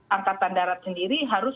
angkatan darat sendiri harus